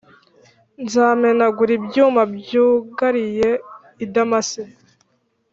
Nzamenagura ibyuma byugariye i Damasiko